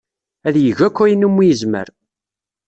Ad yeg akk ayen umi yezmer.